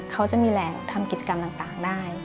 เขาจะมีแหล่งทำกิจกรรมต่างได้